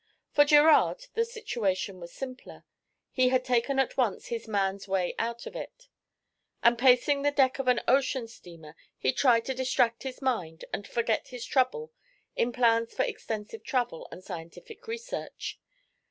For Gerard the situation was simpler. He had taken at once his man's way out of it, and pacing the deck of an ocean steamer, he tried to distract his mind and forget his trouble in plans for extensive travel and scientific research.